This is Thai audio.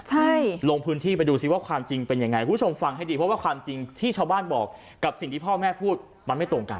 ใช่ลงพื้นที่ไปดูสิว่าความจริงเป็นยังไงคุณผู้ชมฟังให้ดีเพราะว่าความจริงที่ชาวบ้านบอกกับสิ่งที่พ่อแม่พูดมันไม่ตรงกัน